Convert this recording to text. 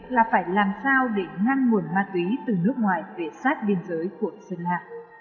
là phải làm sao để ngăn nguồn ma túy từ nước ngoài về sát biên giới của sơn la